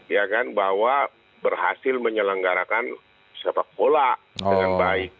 ya kan bahwa berhasil menyelenggarakan siapa siapa pola dengan baik